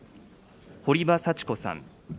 堀場幸子さん。